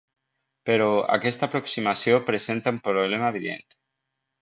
Però aquesta aproximació presenta un problema evident.